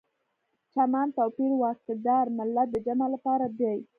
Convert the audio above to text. چمن، توپیر، واکدار، ملت د جمع لپاره دي.